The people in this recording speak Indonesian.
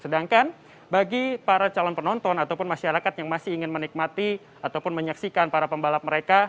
sedangkan bagi para calon penonton ataupun masyarakat yang masih ingin menikmati ataupun menyaksikan para pembalap mereka